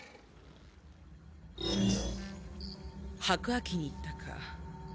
白亜紀に行ったか。